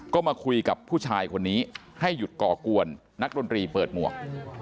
ก็มาคุยกับผู้ชายคนนี้ให้หยุดก่อกวนนักดนตรีเปิดหมวก